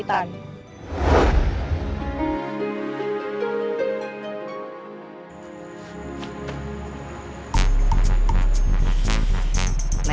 ketika di rumah salma sudah berubah